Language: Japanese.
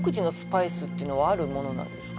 あるものなんですか？